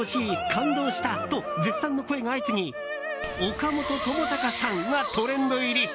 感動した！と絶賛の声が相次ぎ岡本知高さんがトレンド入り。